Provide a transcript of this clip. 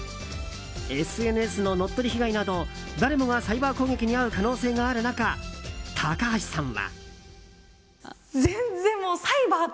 ＳＮＳの乗っ取り被害など誰もがサイバー攻撃に遭う可能性がある中、高橋さんは。